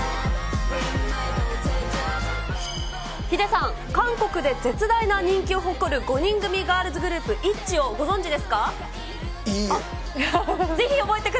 ヒデさん、韓国で絶大な人気を誇る５人組ガールズグループ、いいえ。